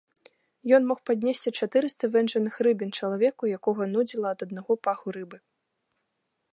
Ён мог паднесці чатырыста вэнджаных рыбін чалавеку, якога нудзіла ад аднаго паху рыбы.